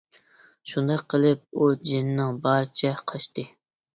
شۇنداق قىلىپ ئۇ جېنىنىڭ بارىچە قاچتى.